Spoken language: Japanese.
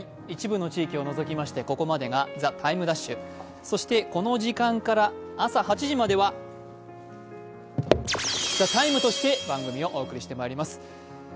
一部の地域を除きましてここまでが「ＴＩＭＥ’」そして、この時間から朝８時までは「ＴＨＥＴＩＭＥ，」として番組をお送りしてまいります。